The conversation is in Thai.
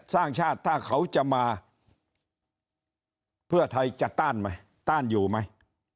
สร้างชาติถ้าเขาจะมาเพื่อไทยจะต้านไหมต้านอยู่ไหม